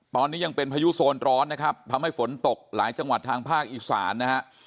ตอนนี้ยังเป็นพายุโซนร้อนนะครับทำให้ฝนตกหลายจังหวัดทางภาคอีสานนะฮะ